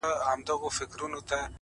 عاجزي د اړیکو ښکلا ده’